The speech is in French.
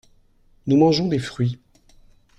Nous mangeons des fruits.